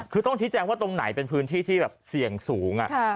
คือต้องชี้แจงว่าตรงไหนเป็นพื้นที่ที่แบบเสี่ยงสูง